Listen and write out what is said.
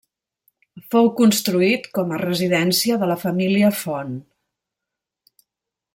Fou construït com a residència de la família Font.